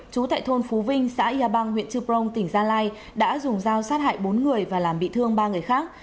chú tại thôn phú vinh xã yà bang huyện trư prong tỉnh gia lai đã dùng dao sát hại bốn người và làm bị thương ba người khác